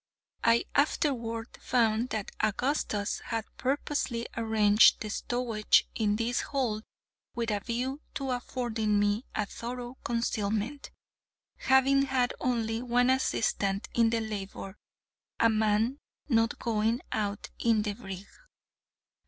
I afterward found that Augustus had purposely arranged the stowage in this hold with a view to affording me a thorough concealment, having had only one assistant in the labour, a man not going out in the brig.